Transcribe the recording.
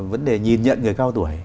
vấn đề nhìn nhận người cao tuổi